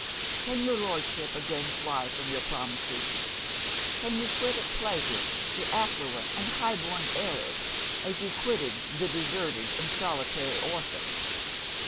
Can your Lordship again fly from your promises? Can you quit at pleasure the affluent and high born heiress as you quitted the deserted and solitary orphan?'